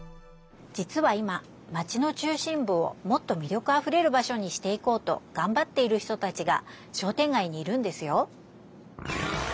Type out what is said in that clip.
じつは今マチの中心ぶをもっとみりょくあふれる場所にしていこうとがんばっている人たちが商店街にいるんですよ。